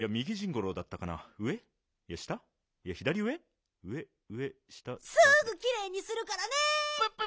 すぐきれいにするからね！